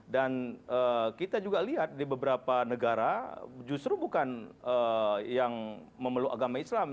kita juga lihat di beberapa negara justru bukan yang memeluk agama islam